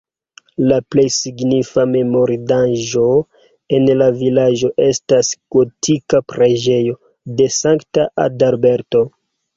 La plej signifa memorindaĵo en la vilaĝo estas gotika preĝejo de Sankta Adalberto.